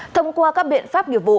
thông qua các biện pháp nghiệp vụ